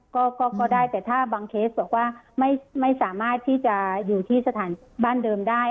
ก็ได้แต่ถ้าบางเคสบอกว่าไม่สามารถที่จะอยู่ที่สถานบ้านเดิมได้